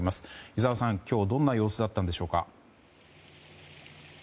井澤さん、今日はどんな様子だったんでしょうか。